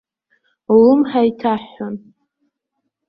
Улымҳа иҭаҳәҳәон.